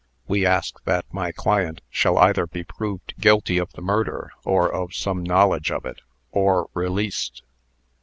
We ask that my client shall either be proved guilty of the murder, or of some knowledge of it, or released."